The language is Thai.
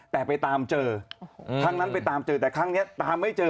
แต่ไปตามเจอครั้งนั้นไปตามเจอแต่ครั้งนี้ตามไม่เจอ